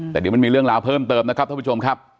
แต่เดี๋ยวมันมีเรื่องราวเพิ่มเติมนะครับท่านผู้ชมครับ